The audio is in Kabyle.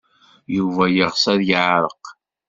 Yuba yeɣs ad yeɛreq.